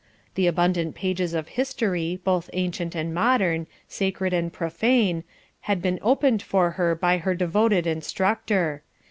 The abundant pages of history, both ancient and modern, sacred and profane, had been opened for her by her devoted instructor.